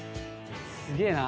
すげえな。